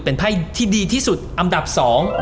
เป็นไพ่ที่ดีที่สุดอันดับสอง